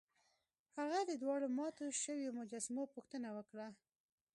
هغه د دواړو ماتو شویو مجسمو پوښتنه وکړه.